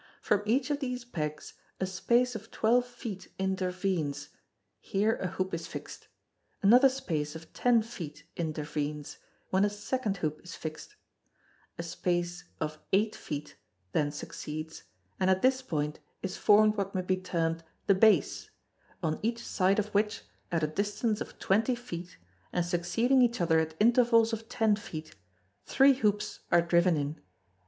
From each of these pegs a space of twelve feet intervenes; here a hoop is fixed; another space of ten feet intervenes, when a second hoop is fixed; a space of eight feet then succeeds, and at this point is formed what may be termed the base, on each side of which, at a distance of twenty feet, and succeeding each other at intervals of ten feet, three hoops are driven in.